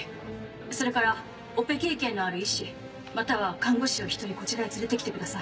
それからオペ経験のある医師または看護師を１人こちらへ連れてきてください。